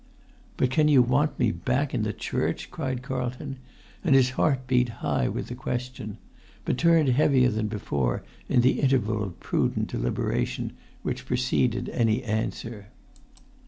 "But can you want me back in the Church?" cried Carlton; and his heart beat high with the question; but turned heavier than before in the interval of prudent deliberation which preceded any answer.